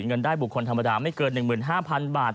เงินได้บุคคลธรรมดาไม่เกิน๑๕๐๐๐บาท